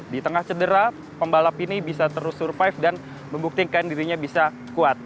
di tengah cedera pembalap ini bisa terus survive dan membuktikan dirinya bisa kuat